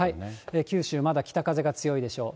九州、まだ北風が強いでしょう。